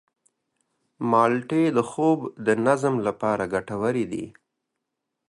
مالټې د خوب د نظم لپاره ګټورې دي.